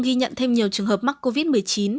ghi nhận thêm nhiều trường hợp mắc covid một mươi chín